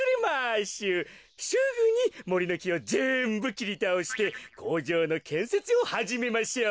すぐにもりのきをぜんぶきりたおしてこうじょうのけんせつをはじめましょう。